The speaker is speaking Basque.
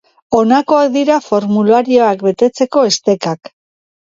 Honakoak dira formularioak betetzeko estekak.